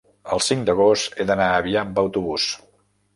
el cinc d'agost he d'anar a Avià amb autobús.